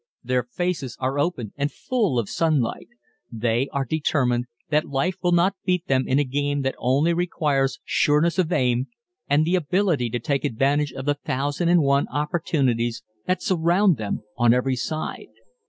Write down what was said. Their faces are open and full of sunlight. They are determined that life will not beat them in a game that only requires sureness of aim and the ability to take advantage of the thousand and one opportunities that surround them on every side.